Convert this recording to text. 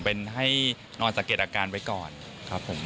เป็นให้นอนสังเกตอาการไว้ก่อนครับผม